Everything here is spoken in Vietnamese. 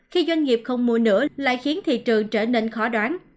khi doanh nghiệp không mua nữa lại khiến thị trường trở nên khó đoán